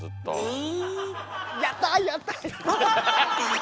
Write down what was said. え？